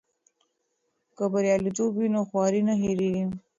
که بریالیتوب وي نو خواري نه هېریږي.